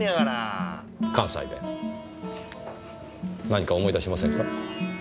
何か思い出しませんか？